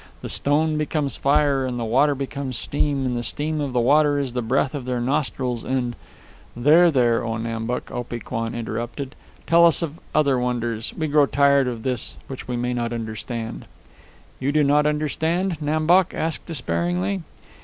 The stone becomes fire, and the water becomes steam, and the steam of the water is the breath of their nostrils, and " "There, there, O Nam Bok," Opee Kwan interrupted. "Tell us of other wonders. We grow tired of this which we may not understand." "You do not understand?" Nam Bok asked despairingly.